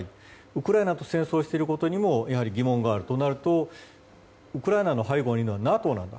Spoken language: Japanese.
ウクライナと戦争することにも疑問があるとなるとウクライナの背後にいるのはＮＡＴＯだと。